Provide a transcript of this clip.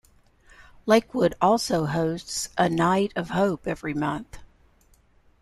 Lakewood also hosts a Night of Hope every month.